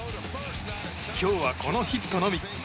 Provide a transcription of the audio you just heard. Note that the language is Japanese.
今日は、このヒットのみ。